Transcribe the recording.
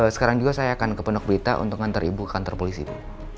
sekarang juga saya akan ke pondok berita untuk ngantar ibu ke kantor polisi bu